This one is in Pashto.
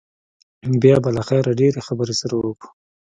بيا به له خيره ډېرې خبرې سره وکو.